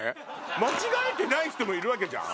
間違えてない人もいるわけじゃん。